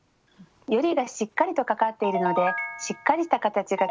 よりがしっかりとかかっているのでしっかりした形が作れ